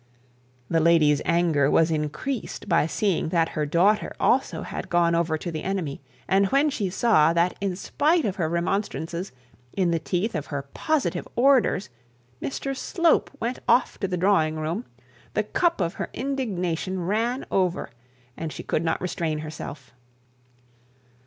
The lady's anger was increased by seeing that her daughter had gone over to the enemy; and when she saw, that in spite of her remonstrances, in the teeth of her positive orders, Mr Slope went off to the drawing room, the cup of her indignation ran over, and she could not restrain herself.